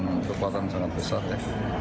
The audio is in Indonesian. saya kan kekuatan sangat besar ya